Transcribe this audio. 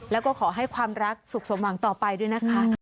แล้วก็ขอให้ความรักสุขสมหวังต่อไปด้วยนะคะ